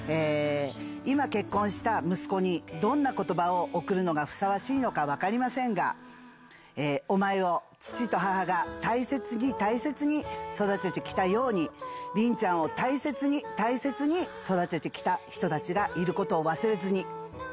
今、結婚した息子に、どんなことばを贈るのがふさわしいのか分かりませんが、お前を父と母が大切に大切に育ててきたように、凛ちゃんを大切に大切に育ててきた人たちがいることを忘れずに。